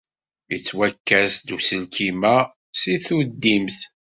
Yettwakkes-d uselkim-a seg tuddimt.